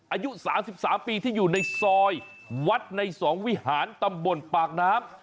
อายุ๓๓ปีที่อยู่ในซอยวัดในสองวิหารตำบลปากน้ำ